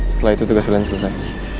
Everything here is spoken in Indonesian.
setelah itu tugas lain selesai